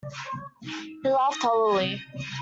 He laughed hollowly.